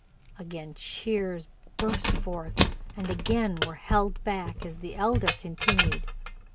Again cheers burst forth and again were held back as the Elder continued.